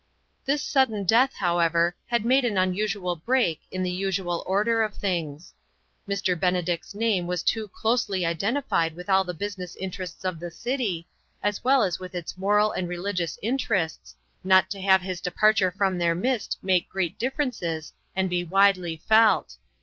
This sudden death, however, had made an unusual break in the usual order of things. Mr. Benedict's name was too closely identi fied with all the business interests of the city, as well as with its moral and religious interests, not to have his departure from their midst make great differences, and be widely felt.